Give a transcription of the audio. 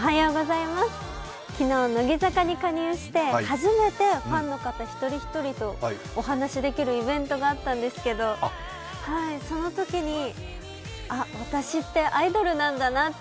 昨日、乃木坂に加入して初めてファンの方一人一人とお話できるイベントがあったんですけど、そのときに、あ、私ってアイドルなんだなって